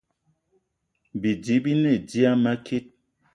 Bidi bi ne dia a makit